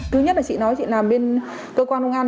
thứ nhất là chị nói chị là bên cơ quan công an